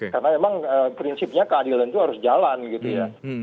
karena memang prinsipnya keadilan itu harus jalan gitu ya